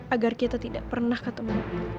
agar kita tidak pernah ketemu